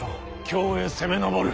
京へ攻め上る。